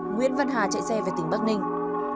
nguyễn văn hà chạy xe về tỉnh bắc ninh